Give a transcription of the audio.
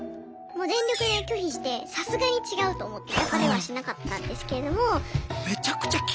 もう全力で拒否してさすがに違うと思って焼かれはしなかったんですけれども。